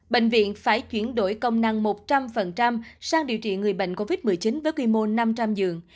bệnh viện phải chuyển đổi công năng một trăm linh sang điều trị người bệnh covid một mươi chín với quy mô năm trăm linh giường